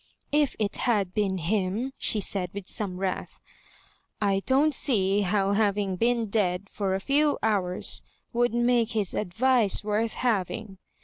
" If it Tiad been him," she said, with some wrath, " I don't seer how hav ing been dead for a few hours would make his advice worth having.